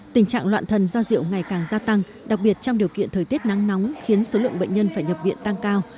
tình trạng loạn thần do rượu ngày càng gia tăng đặc biệt trong điều kiện thời tiết nắng nóng khiến số lượng bệnh nhân phải nhập viện tăng cao